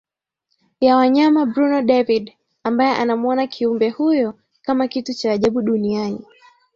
ya wanyama Bruno David ambaye anamuona kiumbe huyo kama kitu cha ajabu duniani